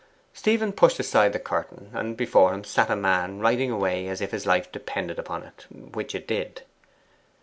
Stephen pushed aside the curtain, and before him sat a man writing away as if his life depended upon it which it did.